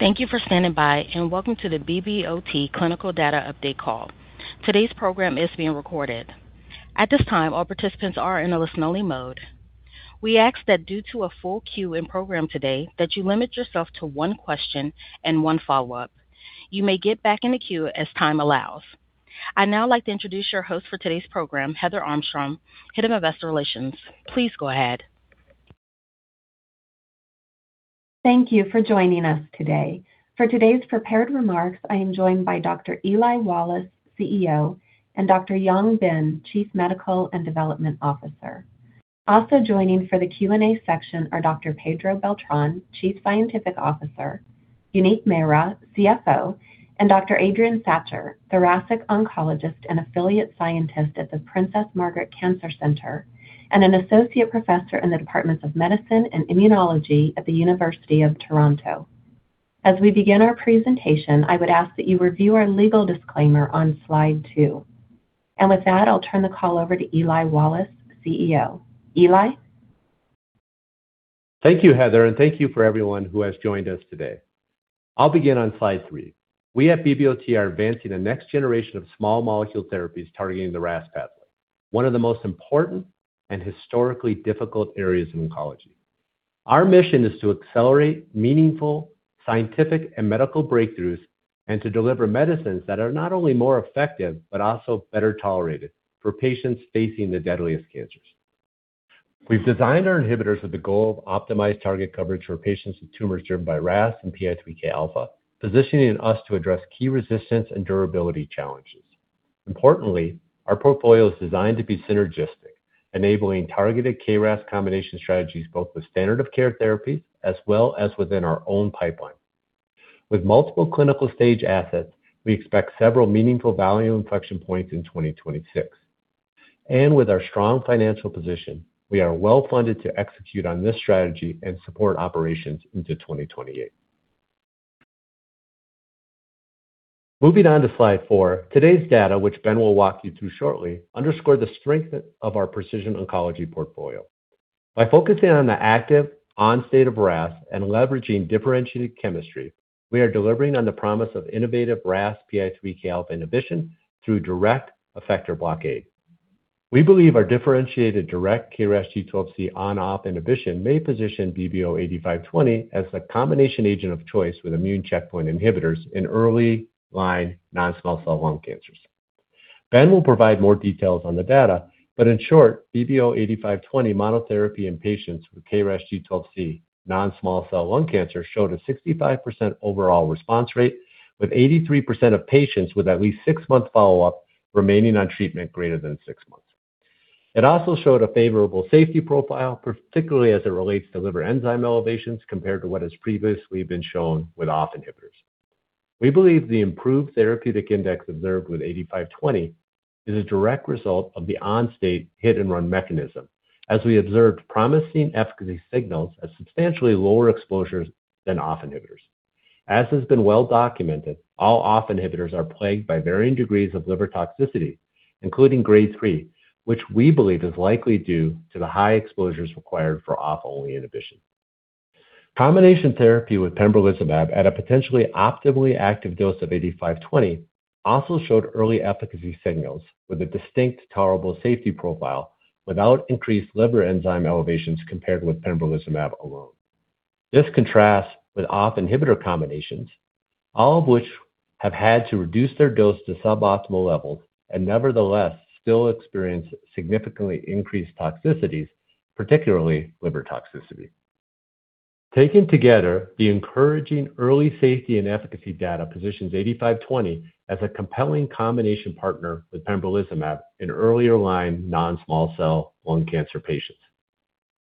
Thank you for standing by, and welcome to the BBOT Clinical Data Update call. Today's program is being recorded. At this time, all participants are in a listen-only mode. We ask that, due to a full queue in program today, you limit yourself to one question and one follow-up. You may get back in the queue as time allows. I'd now like to introduce your host for today's program, Heather Armstrong, Head of Investor Relations. Please go ahead. Thank you for joining us today. For today's prepared remarks, I am joined by Dr. Eli Wallace, CEO, and Dr. Ben Yang, Chief Medical and Development Officer. Also joining for the Q&A section are Dr. Pedro Beltran, Chief Scientific Officer; Uneek Mehra, CFO; and Dr. Adrian Sacher, Thoracic Oncologist and Affiliate Scientist at the Princess Margaret Cancer Center and an Associate Professor in the Departments of Medicine and Immunology at the University of Toronto. As we begin our presentation, I would ask that you review our legal disclaimer on slide two. With that, I'll turn the call over to Eli Wallace, CEO. Eli? Thank you, Heather, and thank you for everyone who has joined us today. I'll begin on slide three. We at BBOT are advancing a next generation of small molecule therapies targeting the RAS pathway, one of the most important and historically difficult areas in oncology. Our mission is to accelerate meaningful scientific and medical breakthroughs and to deliver medicines that are not only more effective but also better tolerated for patients facing the deadliest cancers. We've designed our inhibitors with the goal of optimized target coverage for patients with tumors driven by RAS and PI3K alpha, positioning us to address key resistance and durability challenges. Importantly, our portfolio is designed to be synergistic, enabling targeted KRAS combination strategies both with standard of care therapies as well as within our own pipeline. With multiple clinical stage assets, we expect several meaningful value inflection points in 2026. With our strong financial position, we are well-funded to execute on this strategy and support operations into 2028. Moving on to slide four, today's data, which Ben will walk you through shortly, underscore the strength of our precision oncology portfolio. By focusing on the active, on-state of RAS and leveraging differentiated chemistry, we are delivering on the promise of innovative RAS PI3K alpha inhibition through direct effector blockade. We believe our differentiated direct KRAS G12C on-off inhibition may position BBO-8520 as the combination agent of choice with immune checkpoint inhibitors in early line non-small cell lung cancers. Ben will provide more details on the data, but in short, BBO-8520 monotherapy in patients with KRAS G12C non-small cell lung cancer showed a 65% overall response rate, with 83% of patients with at least six-month follow-up remaining on treatment greater than six months. It also showed a favorable safety profile, particularly as it relates to liver enzyme elevations compared to what has previously been shown with off inhibitors. We believe the improved therapeutic index observed with 8520 is a direct result of the on-state hit-and-run mechanism, as we observed promising efficacy signals at substantially lower exposures than off inhibitors. As has been well documented, all off inhibitors are plagued by varying degrees of liver toxicity, including grade three, which we believe is likely due to the high exposures required for off-only inhibition. Combination therapy with pembrolizumab at a potentially optimally active dose of 8520 also showed early efficacy signals with a distinct tolerable safety profile without increased liver enzyme elevations compared with pembrolizumab alone. This contrasts with off inhibitor combinations, all of which have had to reduce their dose to suboptimal levels and nevertheless still experience significantly increased toxicities, particularly liver toxicity. Taken together, the encouraging early safety and efficacy data positions BBO-8520 as a compelling combination partner with pembrolizumab in earlier line non-small cell lung cancer patients.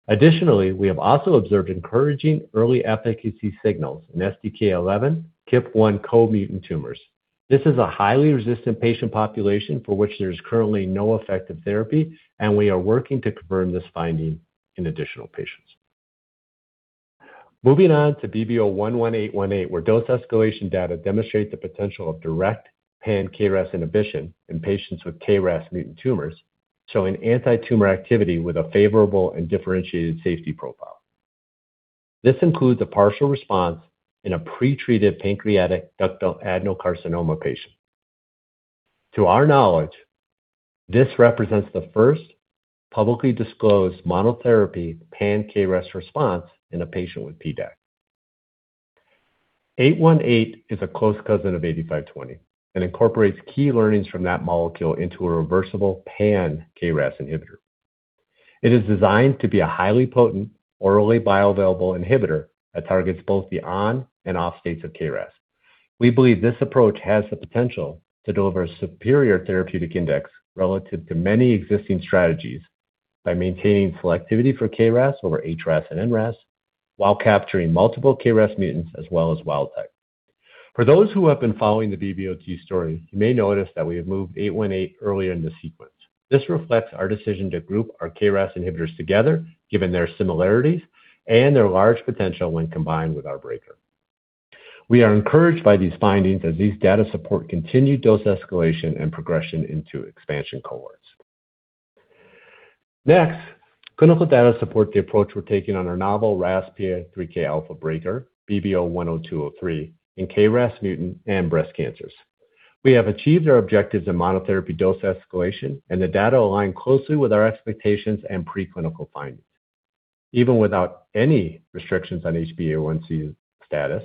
Additionally, we have also observed encouraging early efficacy signals in STK11 KEAP1 co-mutant tumors. This is a highly resistant patient population for which there is currently no effective therapy, and we are working to confirm this finding in additional patients. Moving on to BBO-11818, where dose escalation data demonstrate the potential of direct pan-KRAS inhibition in patients with KRAS mutant tumors, showing anti-tumor activity with a favorable and differentiated safety profile. This includes a partial response in a pretreated pancreatic ductal adenocarcinoma patient. To our knowledge, this represents the first publicly disclosed monotherapy pan-KRAS response in a patient with PDAC. BBO-11818 is a close cousin of BBO-8520 and incorporates key learnings from that molecule into a reversible pan-KRAS inhibitor. It is designed to be a highly potent, orally bioavailable inhibitor that targets both the on and off stage of KRAS. We believe this approach has the potential to deliver a superior therapeutic index relative to many existing strategies by maintaining selectivity for KRAS over HRAS and NRAS while capturing multiple KRAS mutants as well as wild type. For those who have been following the BBOT story, you may notice that we have moved 818 earlier in the sequence. This reflects our decision to group our KRAS inhibitors together, given their similarities and their large potential when combined with our breaker. We are encouraged by these findings as these data support continued dose escalation and progression into expansion cohorts. Next, clinical data support the approach we're taking on our novel RAS PI3K alpha breaker, BBO-10203, in KRAS mutant and breast cancers. We have achieved our objectives in monotherapy dose escalation, and the data align closely with our expectations and preclinical findings. Even without any restrictions on HbA1c status,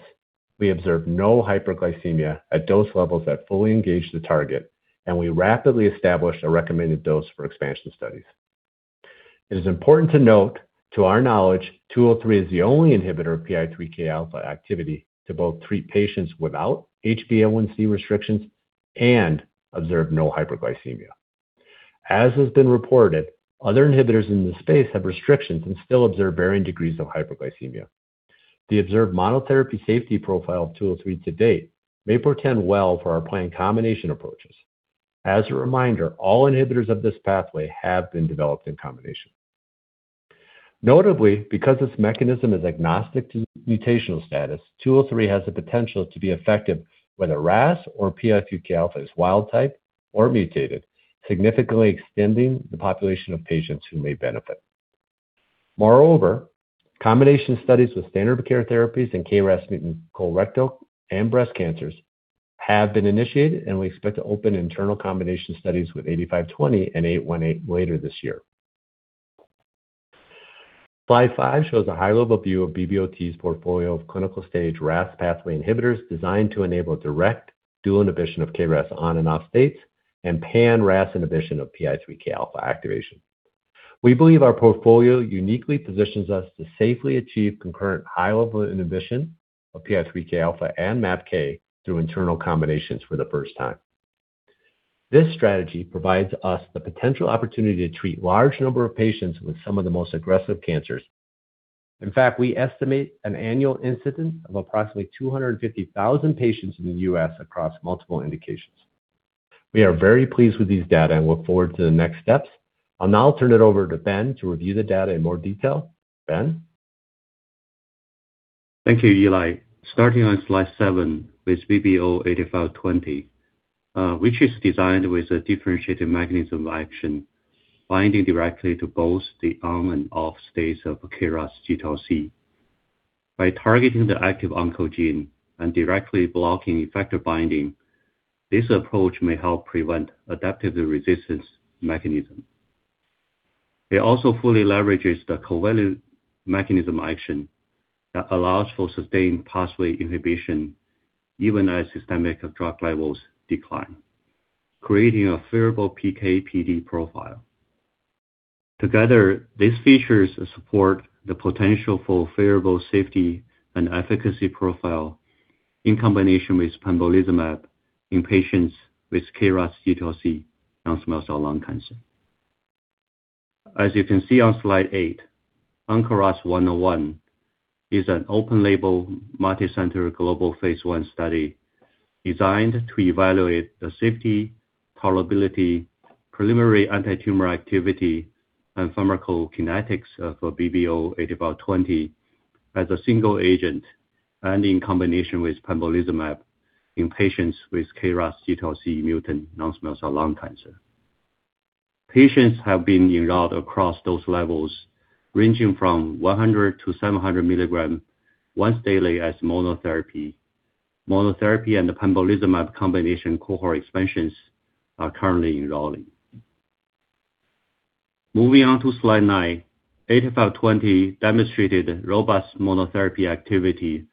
we observed no hyperglycemia at dose levels that fully engage the target, and we rapidly established a recommended dose for expansion studies. It is important to note, to our knowledge, 203 is the only inhibitor of PI3K alpha activity to both treat patients without HbA1c restrictions and observe no hyperglycemia. As has been reported, other inhibitors in this space have restrictions and still observe varying degrees of hyperglycemia. The observed monotherapy safety profile of 203 to date may portend well for our planned combination approaches. As a reminder, all inhibitors of this pathway have been developed in combination. Notably, because its mechanism is agnostic to mutational status, 203 has the potential to be effective whether RAS or PI3K alpha is wild type or mutated, significantly extending the population of patients who may benefit. Moreover, combination studies with standard of care therapies in KRAS mutant colorectal and breast cancers have been initiated, and we expect to open internal combination studies with 8520 and 818 later this year. Slide five shows a high-level view of BBOT's portfolio of clinical stage RAS pathway inhibitors designed to enable direct dual inhibition of KRAS on and off states and pan-RAS inhibition of PI3K alpha activation. We believe our portfolio uniquely positions us to safely achieve concurrent high-level inhibition of PI3K alpha and MAPK through internal combinations for the first time. This strategy provides us the potential opportunity to treat a large number of patients with some of the most aggressive cancers. In fact, we estimate an annual incidence of approximately 250,000 patients in the U.S. across multiple indications. We are very pleased with these data and look forward to the next steps. I'll now turn it over to Ben to review the data in more detail. Ben. Thank you, Eli. Starting on slide seven with BBO-8520, which is designed with a differentiated mechanism of action binding directly to both the on- and off-state of KRAS G12C. By targeting the active oncogene and directly blocking effector binding, this approach may help prevent adaptive resistance mechanism. It also fully leverages the covalent mechanism of action that allows for sustained pathway inhibition even as systemic drug levels decline, creating a favorable PK/PD profile. Together, these features support the potential for favorable safety and efficacy profile in combination with pembrolizumab in patients with KRAS G12C non-small cell lung cancer. As you can see on slide eight, ONCRAS-101 is an open-label multicenter global phase one study designed to evaluate the safety, tolerability, preliminary anti-tumor activity, and pharmacokinetics of BBO-8520 as a single agent and in combination with pembrolizumab in patients with KRAS G12C mutant non-small cell lung cancer. Patients have been enrolled across dose levels ranging from 100 to 700 milligrams once daily as monotherapy. Monotherapy and the pembrolizumab combination cohort expansions are currently enrolling. Moving on to slide nine, 8520 demonstrated robust monotherapy activity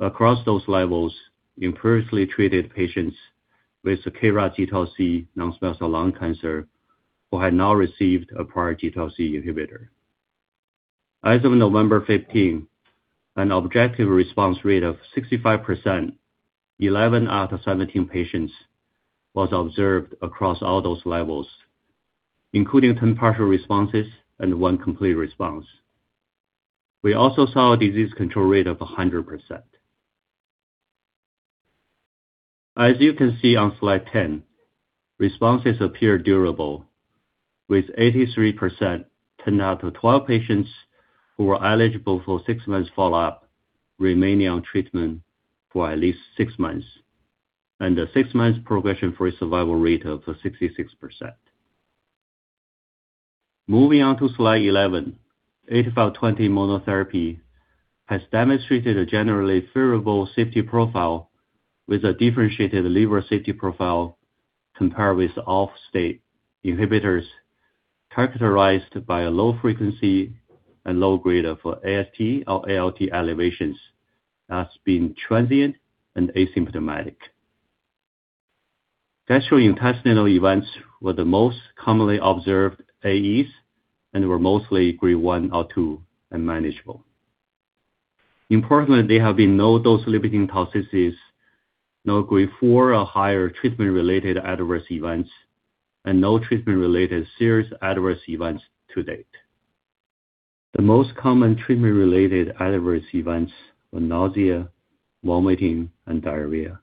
across those levels in previously treated patients with KRAS G12C non-small cell lung cancer who had not received a prior G12C inhibitor. As of November 15, an objective response rate of 65%, 11 out of 17 patients was observed across all those levels, including 10 partial responses and one complete response. We also saw a disease control rate of 100%. As you can see on slide 10, responses appear durable, with 83%, 10 out of 12 patients who were eligible for six months follow-up remaining on treatment for at least six months and a six-month progression-free survival rate of 66%. Moving on to slide 11, 8520 monotherapy has demonstrated a generally favorable safety profile with a differentiated liver safety profile compared with off-state inhibitors characterized by a low frequency and low grade of AST or ALT elevations that have been transient and asymptomatic. Gastrointestinal events were the most commonly observed AEs and were mostly grade one or two and manageable. Importantly, there have been no dose-limiting toxicities, no grade four or higher treatment-related adverse events, and no treatment-related serious adverse events to date. The most common treatment-related adverse events were nausea, vomiting, and diarrhea,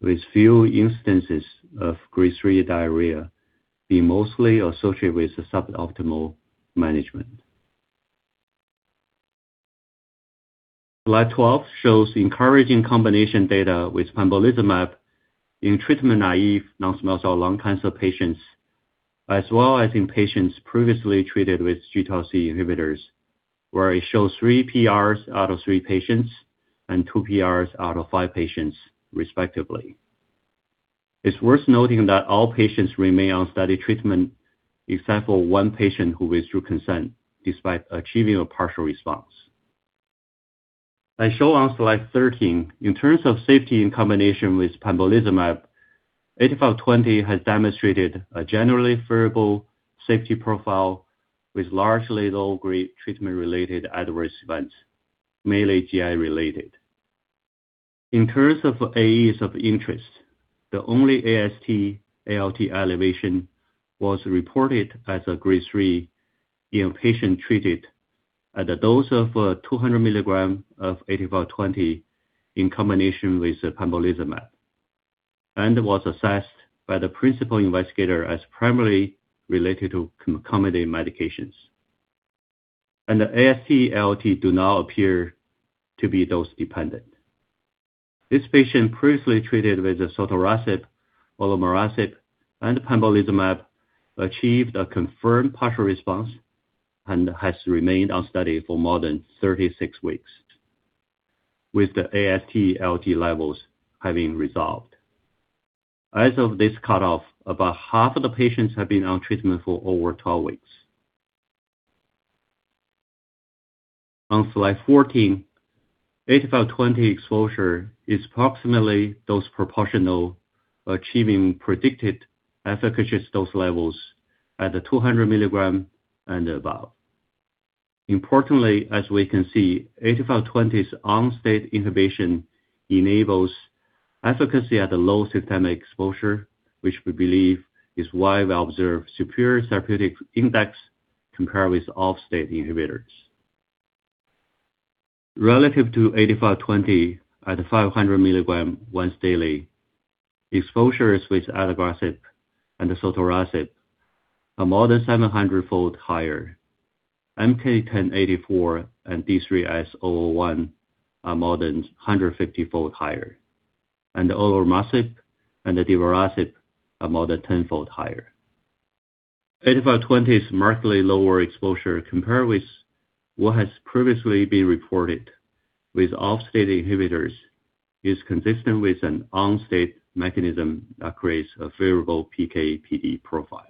with few instances of grade three diarrhea being mostly associated with suboptimal management. Slide 12 shows encouraging combination data with pembrolizumab in treatment naive non-small cell lung cancer patients, as well as in patients previously treated with G12C inhibitors, where it shows three PRs out of three patients and two PRs out of five patients, respectively. It's worth noting that all patients remain on study treatment, except for one patient who withdrew consent despite achieving a partial response. I show on slide 13, in terms of safety in combination with pembrolizumab, 8520 has demonstrated a generally favorable safety profile with largely low-grade treatment-related adverse events, mainly GI-related. In terms of AEs of interest, the only AST/ALT elevation was reported as a grade three in a patient treated at a dose of 200 milligrams of 8520 in combination with pembrolizumab and was assessed by the principal investigator as primarily related to concomitant medications, and the AST/ALT do not appear to be dose-dependent. This patient previously treated with sotorasib, olomorasib, and pembrolizumab achieved a confirmed partial response and has remained on study for more than 36 weeks, with the AST/ALT levels having resolved. As of this cutoff, about half of the patients have been on treatment for over 12 weeks. On slide 14, 8520 exposure is approximately dose proportional, achieving predicted efficacious dose levels at the 200 milligram and above. Importantly, as we can see, 8520's on-state inhibition enables efficacy at a low systemic exposure, which we believe is why we observe superior therapeutic index compared with off-state inhibitors. Relative to 8520 at 500 milligrams once daily, exposures with adagrasib and sotorasib are more than 700-fold higher. MK-1084 and D3S-001 are more than 150-fold higher, olomorasib and divarasib are more than 10-fold higher. 8520's markedly lower exposure compared with what has previously been reported with off-state inhibitors is consistent with an on-state mechanism that creates a favorable PK/PD profile.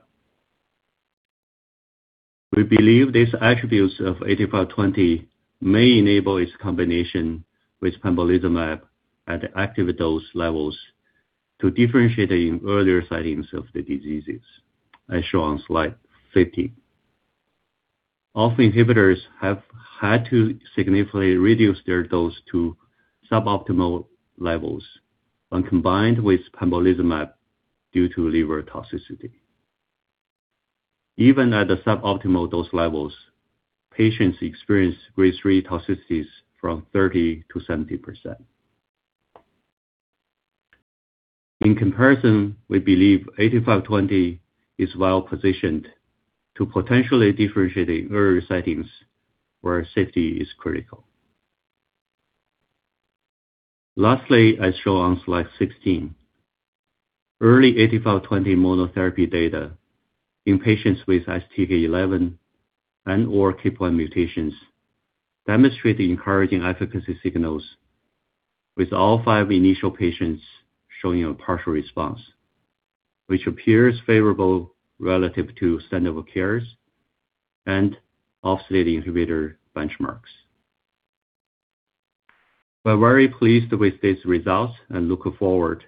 We believe these attributes of 8520 may enable its combination with pembrolizumab at active dose levels to differentiate in earlier settings of the disease, as shown on slide 50. Off-stage inhibitors have had to significantly reduce their dose to suboptimal levels when combined with pembrolizumab due to liver toxicity. Even at the suboptimal dose levels, patients experience grade 3 toxicities from 30% to 70%. In comparison, we believe 8520 is well positioned to potentially differentiate in earlier settings where safety is critical. Lastly, as shown on slide 16, early 8520 monotherapy data in patients with STK11 and/or KEAP1 mutations demonstrate encouraging efficacy signals, with all five initial patients showing a partial response, which appears favorable relative to standard of care and off-state inhibitor benchmarks. We're very pleased with these results and look forward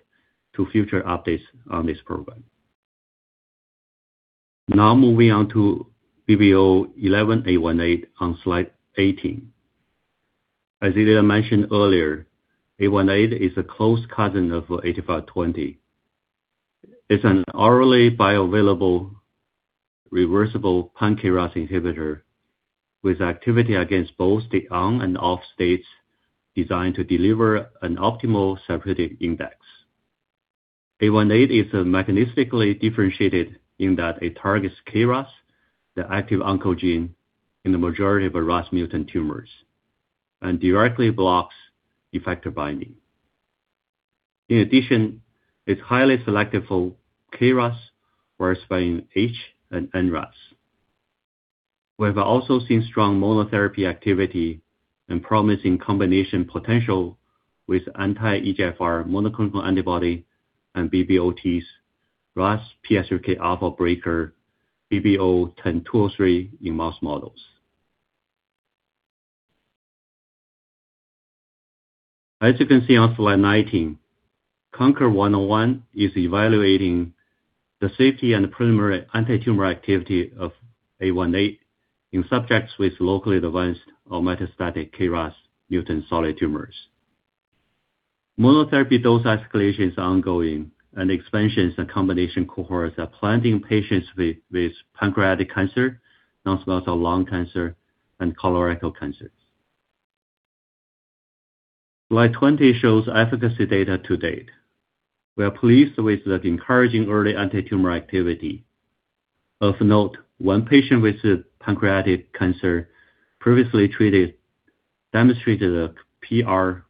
to future updates on this program. Now moving on to BBO-11818 on slide 18. As Eli mentioned earlier, BBO-11818 is a close cousin of BBO-8520. It's an orally bioavailable reversible pan-KRAS inhibitor with activity against both the on- and off-state designed to deliver an optimal therapeutic index. BBO-11818 is mechanistically differentiated in that it targets KRAS, the active oncogene, in the majority of RAS mutant tumors and directly blocks effector binding. In addition, it's highly selective for KRAS, whereas in HRAS and NRAS. We have also seen strong monotherapy activity and promising combination potential with anti-EGFR monoclonal antibody and BBOT's RAS/PI3K alpha breaker, BBO-10203 in mouse models. As you can see on slide 19, CONCUR 101 is evaluating the safety and preliminary anti-tumor activity of BBO-11818 in subjects with locally advanced or metastatic KRAS mutant solid tumors. Monotherapy dose escalation is ongoing, and expansions and combination cohorts are planned in patients with pancreatic cancer, non-small cell lung cancer, and colorectal cancers. Slide 20 shows efficacy data to date. We are pleased with the encouraging early anti-tumor activity. Of note, one patient with pancreatic cancer previously treated demonstrated a PR.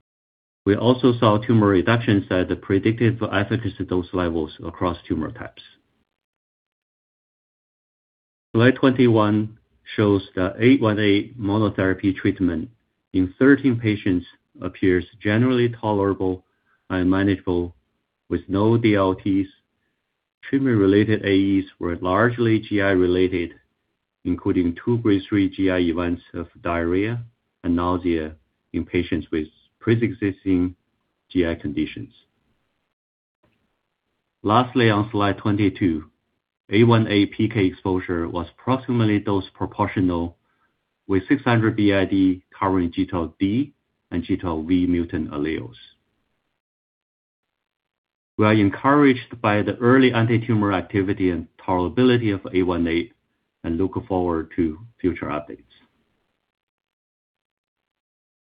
We also saw tumor reductions at the predicted efficacy dose levels across tumor types. Slide 21 shows that BBO-11818 monotherapy treatment in 13 patients appears generally tolerable and manageable with no DLTs. Treatment-related AEs were largely GI-related, including two grade three GI events of diarrhea and nausea in patients with pre-existing GI conditions. Lastly, on slide 22, BBO-11818 PK exposure was approximately dose proportional with 600 BID covering G12D and G12V mutant alleles. We are encouraged by the early anti-tumor activity and tolerability of BBO-11818 and look forward to future updates.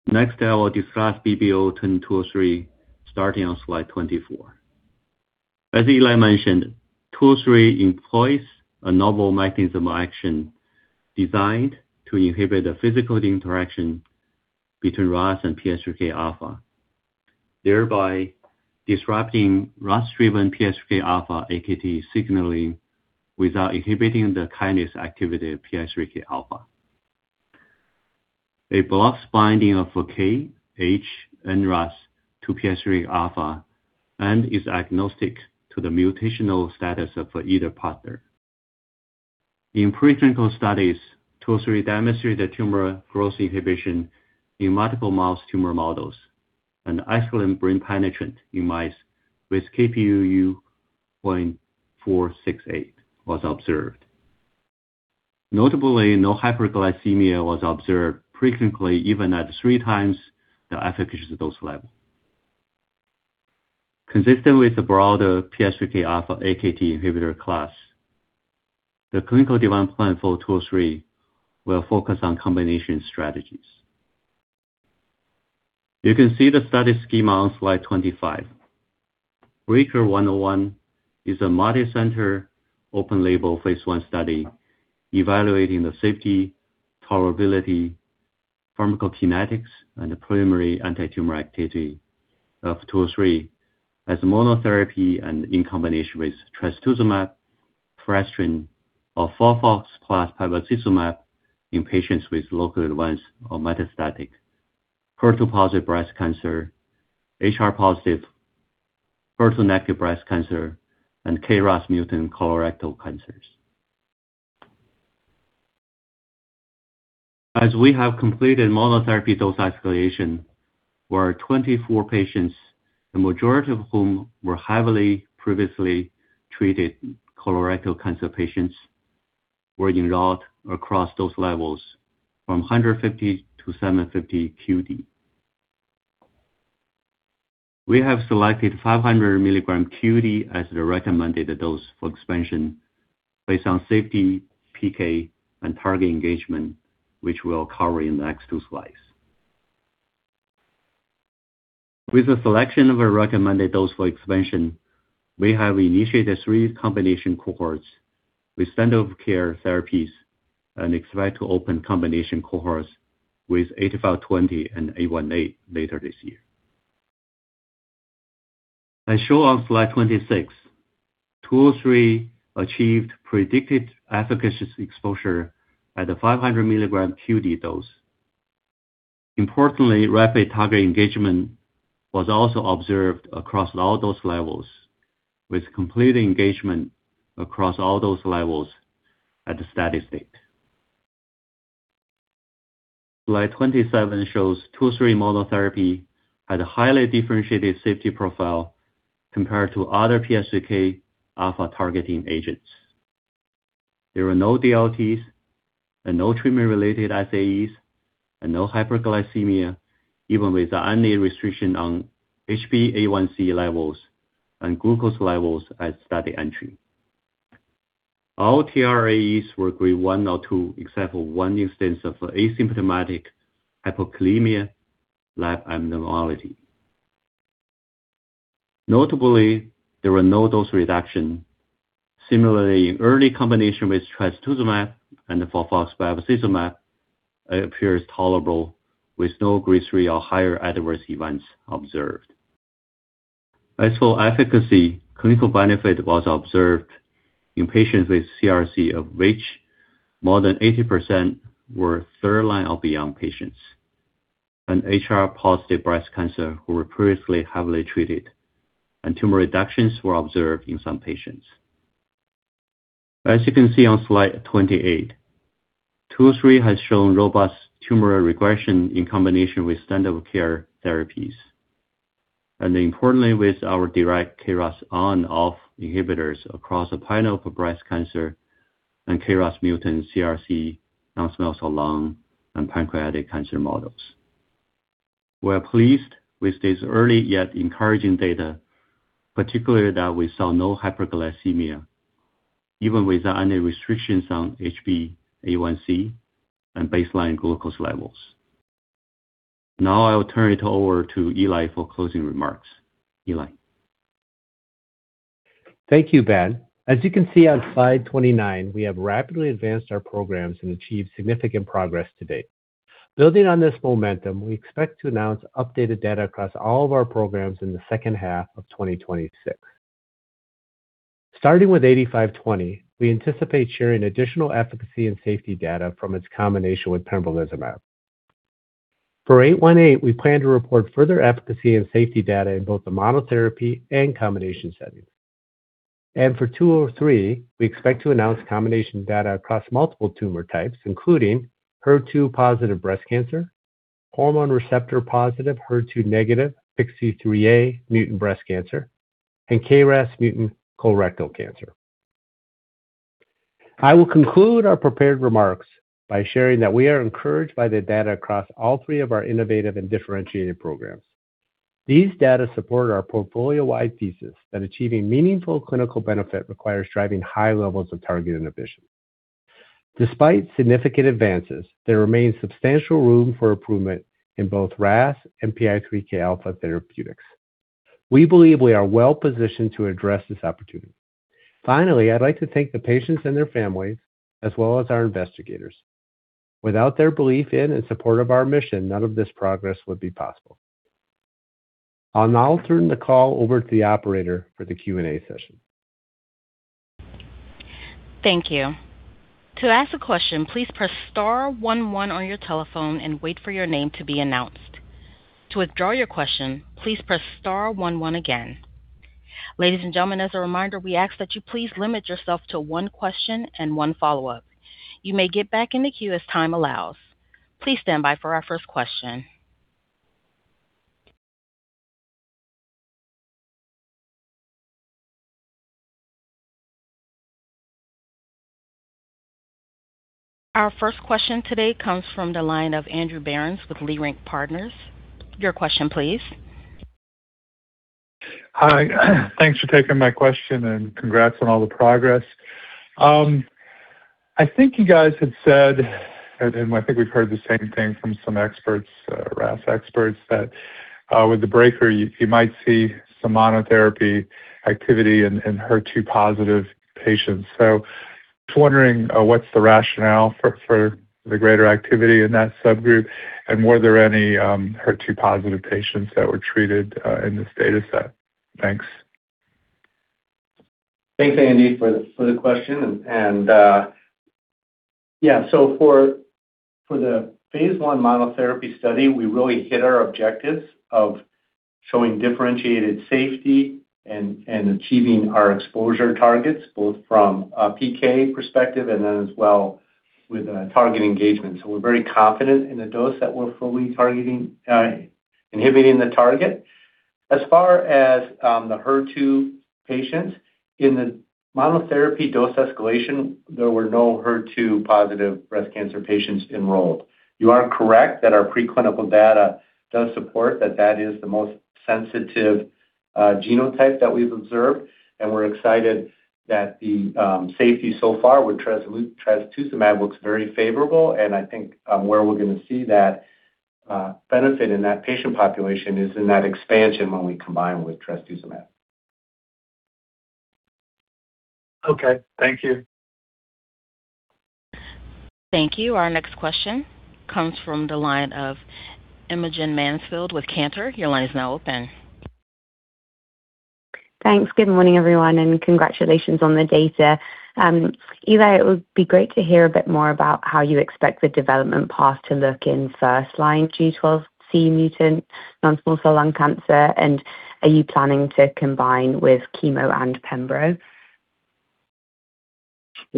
Next, I will discuss BBO-10203 starting on slide 24. As Eli mentioned, BBO-10203 employs a novel mechanism of action designed to inhibit the physical interaction between RAS and PI3K alpha, thereby disrupting RAS-driven PI3K alpha AKT signaling without inhibiting the kinase activity of PI3K alpha. It blocks binding of KRAS, HRAS, NRAS to PI3K alpha and is agnostic to the mutational status of either partner. In preclinical studies, BBO-10203 demonstrated tumor growth inhibition in multiple mouse tumor models and excellent brain penetration in mice with Kp,uu 0.468 was observed. Notably, no hyperglycemia was observed preclinically even at three times the efficacy dose level. Consistent with the broader PI3K alpha AKT inhibitor class, the clinical development plan for BBO-10203 will focus on combination strategies. You can see the study schema on slide 25. BRINCL-101 is a multicenter open-label phase 1 study evaluating the safety, tolerability, pharmacokinetics, and the preliminary anti-tumor activity of BBO-10203 as monotherapy and in combination with trastuzumab, fulvestrant, or FOLFOX plus pembrolizumab in patients with locally advanced or metastatic HER2-positive breast cancer, HR-positive, HER2-negative breast cancer, and KRAS mutant colorectal cancers. As we have completed monotherapy dose escalation, where 24 patients, the majority of whom were heavily previously treated colorectal cancer patients, were enrolled across dose levels from 150 to 750 QD. We have selected 500 milligrams QD as the recommended dose for expansion based on safety, PK, and target engagement, which we'll cover in the next two slides. With the selection of a recommended dose for expansion, we have initiated three combination cohorts with standard of care therapies and expect to open combination cohorts with BBO-8520 and BBO-11818 later this year. As shown on slide 26,10203 achieved predicted efficacy exposure at the 500 milligram QD dose. Importantly, rapid target engagement was also observed across all dose levels with complete engagement across all dose levels at the steady state. Slide 27 shows 23 monotherapy had a highly differentiated safety profile compared to other PI3K alpha targeting agents. There were no DLTs and no treatment-related SAEs and no hyperglycemia, even with the unneeded restriction on HbA1c levels and glucose levels at study entry. All TRAEs were grade one or two, except for one instance of asymptomatic hypokalemia lab abnormality. Notably, there were no dose reductions. Similarly, in early combination with trastuzumab and FOLFOX pembrolizumab, it appears tolerable with no grade three or higher adverse events observed. As for efficacy, clinical benefit was observed in patients with CRC of which more than 80% were third-line or beyond patients and HR-positive breast cancer who were previously heavily treated, and tumor reductions were observed in some patients. As you can see on slide 28, 203 has shown robust tumor regression in combination with standard of care therapies, and importantly, with our direct KRAS on/off inhibitors across the panel for breast cancer and KRAS mutant CRC, non-small cell lung, and pancreatic cancer models. We are pleased with this early yet encouraging data, particularly that we saw no hyperglycemia, even with the unneeded restrictions on HbA1c and baseline glucose levels. Now I will turn it over to Eli for closing remarks. Eli. Thank you, Ben. As you can see on slide 29, we have rapidly advanced our programs and achieved significant progress to date. Building on this momentum, we expect to announce updated data across all of our programs in the second half of 2026. Starting with BBO-8520, we anticipate sharing additional efficacy and safety data from its combination with pembrolizumab. For BBO-11818, we plan to report further efficacy and safety data in both the monotherapy and combination settings, and for BBO-10203, we expect to announce combination data across multiple tumor types, including HER2-positive breast cancer, hormone receptor positive HER2-negative PI3K alpha mutant breast cancer, and KRAS mutant colorectal cancer. I will conclude our prepared remarks by sharing that we are encouraged by the data across all three of our innovative and differentiated programs. These data support our portfolio-wide thesis that achieving meaningful clinical benefit requires driving high levels of target inhibition. Despite significant advances, there remains substantial room for improvement in both RAS and PI3K alpha therapeutics. We believe we are well positioned to address this opportunity. Finally, I'd like to thank the patients and their families, as well as our investigators. Without their belief in and support of our mission, none of this progress would be possible. I'll now turn the call over to the operator for the Q&A session. Thank you. To ask a question, please press star 11 on your telephone and wait for your name to be announced. To withdraw your question, please press star 11 again. Ladies and gentlemen, as a reminder, we ask that you please limit yourself to one question and one follow-up. You may get back in the queue as time allows. Please stand by for our first question. Our first question today comes from the line of Andrew Berens with Leerink Partners. Your question, please. Hi. Thanks for taking my question and congrats on all the progress. I think you guys had said, and I think we've heard the same thing from some experts, RAS experts, that with the breaker, you might see some monotherapy activity in HER2-positive patients. So just wondering what's the rationale for the greater activity in that subgroup, and were there any HER2-positive patients that were treated in this data set? Thanks. Thanks, Andy, for the question. And yeah, so for the phase one monotherapy study, we really hit our objectives of showing differentiated safety and achieving our exposure targets both from a PK perspective and then as well with target engagement. So we're very confident in the dose that we're fully targeting, inhibiting the target. As far as the HER2 patients, in the monotherapy dose escalation, there were no HER2-positive breast cancer patients enrolled. You are correct that our preclinical data does support that that is the most sensitive genotype that we've observed, and we're excited that the safety so far with trastuzumab looks very favorable. And I think where we're going to see that benefit in that patient population is in that expansion when we combine with trastuzumab. Okay. Thank you. Thank you. Our next question comes from the line of Imogen Mansfield with Cantor. Your line is now open. Thanks. Good morning, everyone, and congratulations on the data. Eli, it would be great to hear a bit more about how you expect the development path to look in first-line G12C mutant non-small cell lung cancer, and are you planning to combine with chemo and pembro?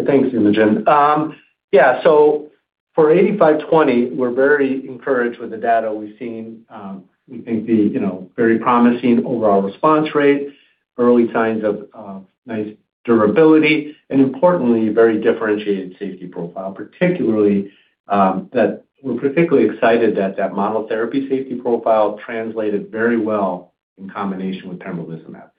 Thanks, Imogen. Yeah, so for 8520, we're very encouraged with the data we've seen. We think the very promising overall response rate, early signs of nice durability, and importantly, very differentiated safety profile, particularly, we're excited that the monotherapy safety profile translated very well in combination with pembrolizumab.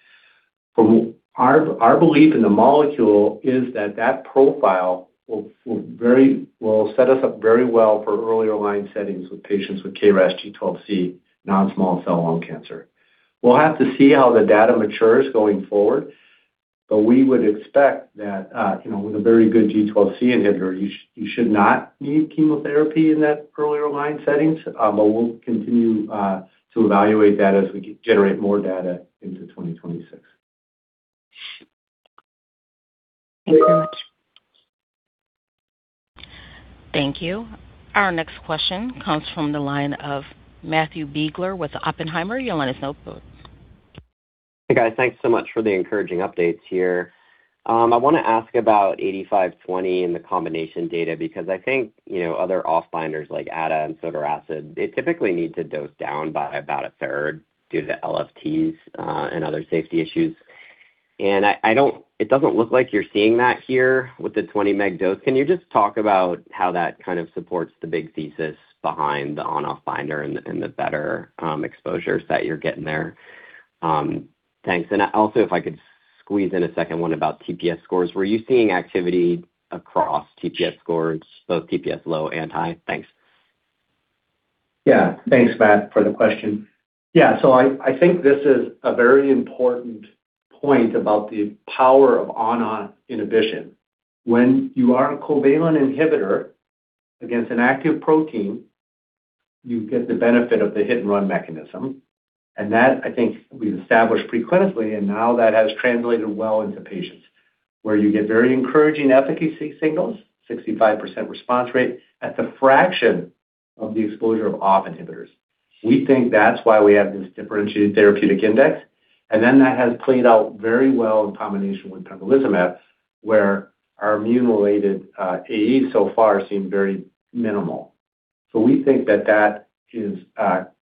Our belief in the molecule is that the profile will set us up very well for earlier line settings with patients with KRAS G12C non-small cell lung cancer. We'll have to see how the data matures going forward, but we would expect that with a very good G12C inhibitor, you should not need chemotherapy in that earlier line settings. But we'll continue to evaluate that as we generate more data into 2026. Thank you so much. Thank you. Our next question comes from the line of Matthew Biegler with Oppenheimer. You'll let us know. Hey, guys. Thanks so much for the encouraging updates here. I want to ask about 8520 and the combination data because I think other off-binders like adagrasib and sotorasib, they typically need to dose down by about a third due to LFTs and other safety issues. And it doesn't look like you're seeing that here with the 20-mg dose. Can you just talk about how that kind of supports the big thesis behind the on-off binder and the better exposures that you're getting there? Thanks. And also, if I could squeeze in a second one about TPS scores. Were you seeing activity across TPS scores, both TPS low and high? Thanks. Yeah. Thanks, Matt, for the question. Yeah. So I think this is a very important point about the power of on-off inhibition. When you are a covalent inhibitor against an active protein, you get the benefit of the hit-and-run mechanism. And that, I think, we've established preclinically, and now that has translated well into patients where you get very encouraging efficacy signals, 65% response rate at the fraction of the exposure of off-stage inhibitors. We think that's why we have this differentiated therapeutic index. And then that has played out very well in combination with pembrolizumab, where our immune-related AEs so far seem very minimal. So we think that that is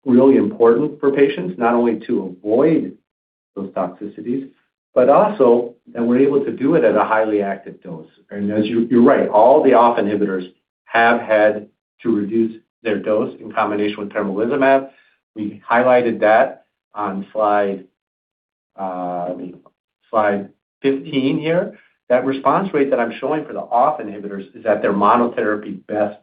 really important for patients, not only to avoid those toxicities, but also that we're able to do it at a highly active dose. And as you're right, all the off-stage inhibitors have had to reduce their dose in combination with pembrolizumab. We highlighted that on slide 15 here. That response rate that I'm showing for the off-state inhibitors is at their monotherapy best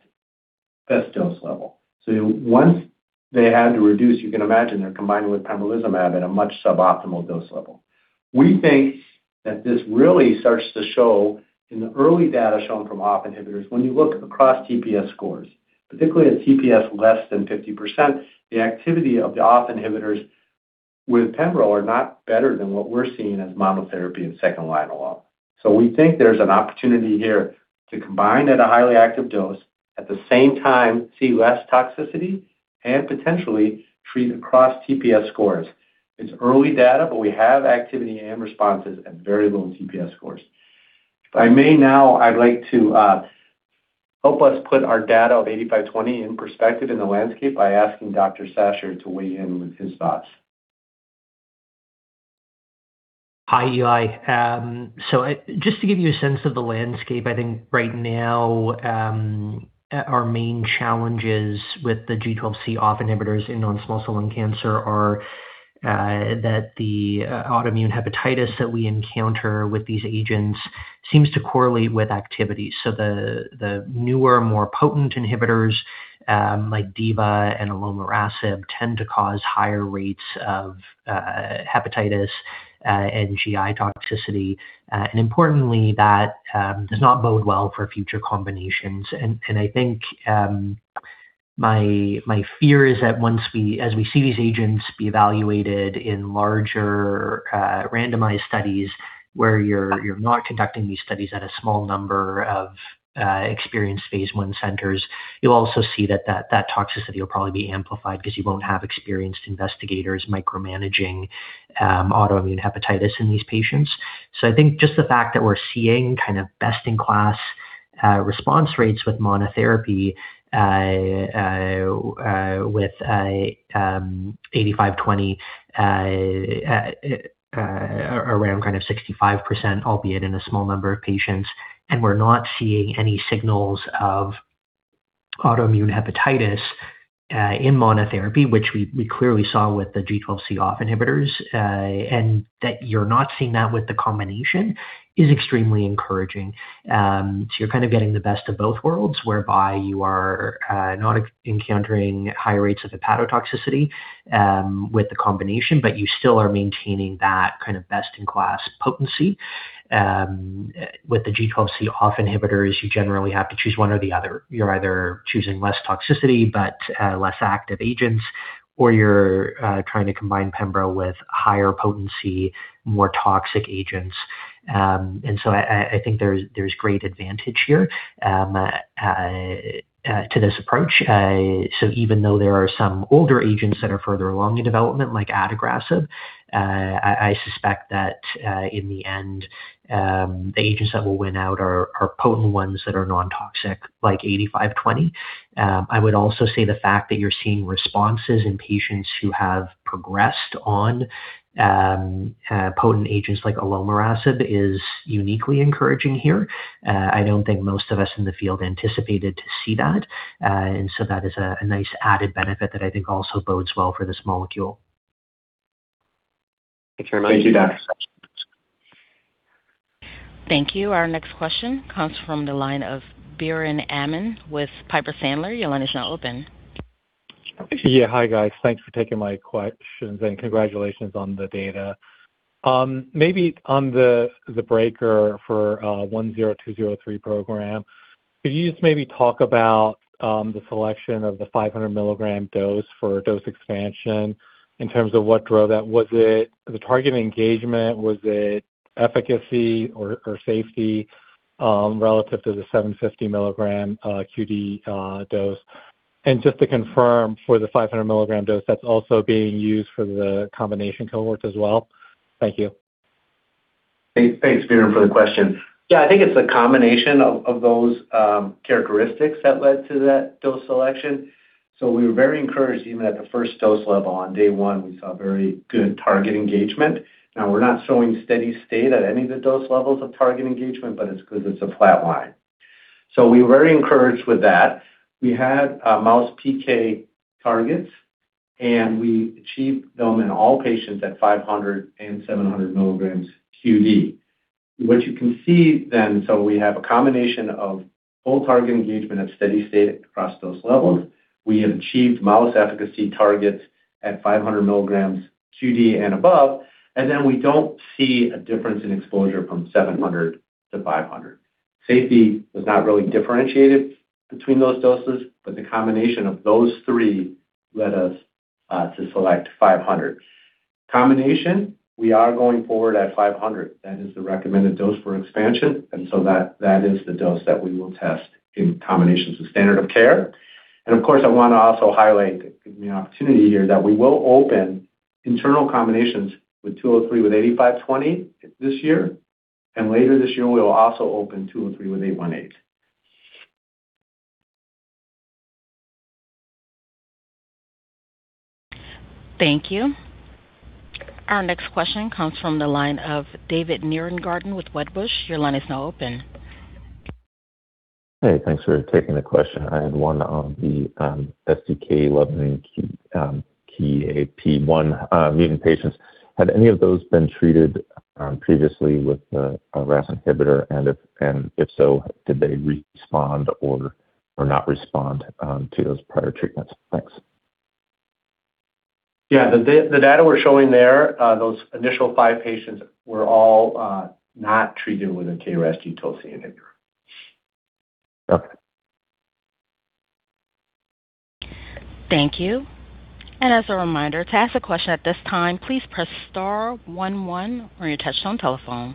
dose level. So once they had to reduce, you can imagine they're combining with pembrolizumab at a much suboptimal dose level. We think that this really starts to show in the early data shown from off-state inhibitors when you look across TPS scores, particularly at TPS less than 50%, the activity of the off-state inhibitors with pembro are not better than what we're seeing as monotherapy in second-line alone. So we think there's an opportunity here to combine at a highly active dose, at the same time, see less toxicity, and potentially treat across TPS scores. It's early data, but we have activity and responses at very low TPS scores. If I may, now I'd like to help us put our data of 8520 in perspective in the landscape by asking Dr. Sacher to weigh in with his thoughts. Hi, Eli. So just to give you a sense of the landscape, I think right now our main challenges with the G12C on/off inhibitors in non-small cell lung cancer are that the autoimmune hepatitis that we encounter with these agents seems to correlate with activity. So the newer, more potent inhibitors like divarasib and olomorasib tend to cause higher rates of hepatitis and GI toxicity. And importantly, that does not bode well for future combinations. And I think my fear is that once we see these agents be evaluated in larger randomized studies where you're not conducting these studies at a small number of experienced phase one centers, you'll also see that toxicity will probably be amplified because you won't have experienced investigators micromanaging autoimmune hepatitis in these patients. So I think just the fact that we're seeing kind of best-in-class response rates with monotherapy with 8520 around kind of 65%, albeit in a small number of patients, and we're not seeing any signals of autoimmune hepatitis in monotherapy, which we clearly saw with the G12C off inhibitors, and that you're not seeing that with the combination is extremely encouraging. So you're kind of getting the best of both worlds whereby you are not encountering high rates of hepatotoxicity with the combination, but you still are maintaining that kind of best-in-class potency. With the G12C off inhibitors, you generally have to choose one or the other. You're either choosing less toxicity, but less active agents, or you're trying to combine pembro with higher potency, more toxic agents. And so I think there's great advantage here to this approach. So even though there are some older agents that are further along in development, like adagrasib, I suspect that in the end, the agents that will win out are potent ones that are non-toxic, like 8520. I would also say the fact that you're seeing responses in patients who have progressed on potent agents like olomorasib is uniquely encouraging here. I don't think most of us in the field anticipated to see that. And so that is a nice added benefit that I think also bodes well for this molecule. Thank you, Dr. Sacher. Thank you. Our next question comes from the line of Biren Amin with Piper Sandler. Your line is now open. Yeah. Hi, guys. Thanks for taking my questions, and congratulations on the data. Maybe on the breaker for BBO-10203 program, could you just maybe talk about the selection of the 500-milligram dose for dose expansion in terms of what drove that? Was it the target engagement? Was it efficacy or safety relative to the 750-milligram QD dose? And just to confirm, for the 500-milligram dose, that's also being used for the combination cohorts as well? Thank you. Thanks, Biren, for the question. Yeah, I think it's a combination of those characteristics that led to that dose selection. So we were very encouraged even at the first dose level. On day one, we saw very good target engagement. Now, we're not showing steady state at any of the dose levels of target engagement, but it's because it's a flat line. So we were very encouraged with that. We had mouse PK targets, and we achieved them in all patients at 500 and 700 milligrams QD. What you can see then, so we have a combination of full target engagement at steady state across those levels. We have achieved mouse efficacy targets at 500 milligrams QD and above, and then we don't see a difference in exposure from 700 to 500. Safety was not really differentiated between those doses, but the combination of those three led us to select 500. Combination, we are going forward at 500. That is the recommended dose for expansion, and so that is the dose that we will test in combinations with standard of care, and of course, I want to also highlight, give me an opportunity here, that we will open internal combinations with 203 with 8520 this year, and later this year, we will also open 203 with 818. Thank you. Our next question comes from the line of David Nierengarten with Wedbush. Your line is now open. Hey, thanks for taking the question. I had one on the STK11/KEAP1 mutant patients. Had any of those been treated previously with a RAS inhibitor? And if so, did they respond or not respond to those prior treatments? Thanks. Yeah. The data we're showing there, those initial five patients were all not treated with a KRAS G12C inhibitor. Okay. Thank you. And as a reminder, to ask a question at this time, please press star 11 on your touch-tone telephone.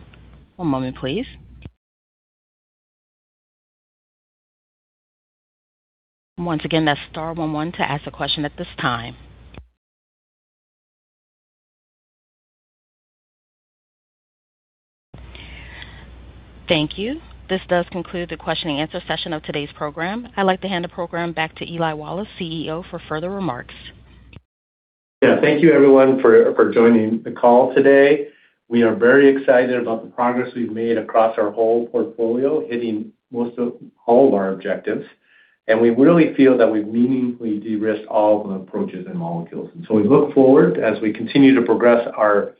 One moment, please. Once again, that's star 11 to ask a question at this time. Thank you. This does conclude the question-and-answer session of today's program. I'd like to hand the program back to Eli Wallace, CEO, for further remarks. Yeah. Thank you, everyone, for joining the call today. We are very excited about the progress we've made across our whole portfolio, hitting all of our objectives. And we really feel that we've meaningfully de-risked all of the approaches and molecules. And so we look forward, as we continue to progress our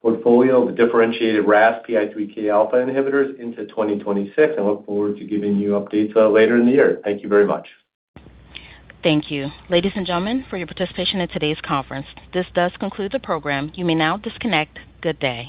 portfolio, the differentiated RAS PI3K alpha inhibitors into 2026, and look forward to giving you updates later in the year. Thank you very much. Thank you. Ladies and gentlemen, for your participation in today's conference. This does conclude the program. You may now disconnect. Good day.